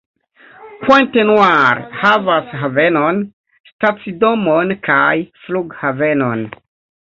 Pointe-Noire havas havenon, stacidomon kaj flughavenon.